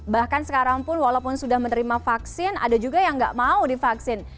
bahkan sekarang pun walaupun sudah menerima vaksin ada juga yang nggak mau divaksin